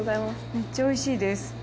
めっちゃ美味しいです。